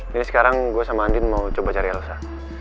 jadi sekarang gue sama andien mau coba cari elsa